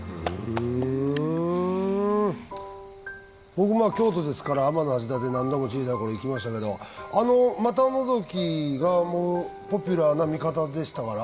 僕京都ですから天橋立何度も小さい頃行きましたけどあの股のぞきがもうポピュラーな見方でしたから。